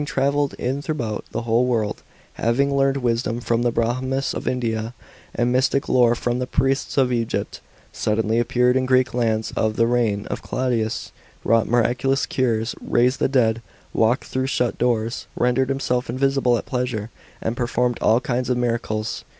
5/7 travelled ihrougbout the whole world, having learned wisdom from the Brahmins of India, and mystic lore from the priests of Egypt, suddenly appeared in Greek lands in the rei^n of Claudius, wrought miraculous cures, raised the dead, walked through shut doors, rendered himself invisible at pleasure, and performed all kinds of miracles.